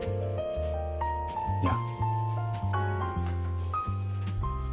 いや。